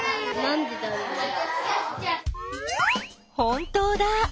本当だ。